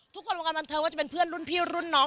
คนวงการบันเทิงว่าจะเป็นเพื่อนรุ่นพี่รุ่นน้อง